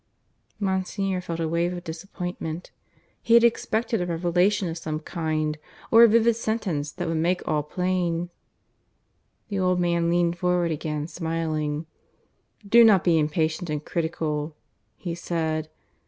Monsignor felt a wave of disappointment. He had expected a revelation of some kind, or a vivid sentence that would make all plain. The old man leaned forward again smiling. "Do not be impatient and critical," he said.